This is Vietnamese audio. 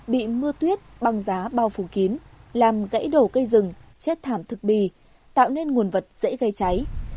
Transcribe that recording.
bị mưa tuyết băng giá bao phủ kín làm gãy đổ cây rừng chết thảm thực bì tạo nên nguồn vật dễ gây cháy